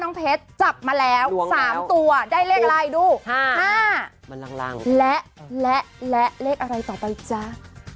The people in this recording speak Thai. แต้งเทศจับมาแล้วสามตัวได้แรงอะไรดู๕และและและเลขอะไรต่อไปอีกจ้า